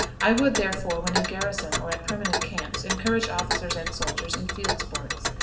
I would, therefore, when in garrison or at permanent camps, encourage officers and soldiers in field sports.